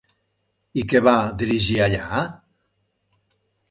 I què va dirigir allà?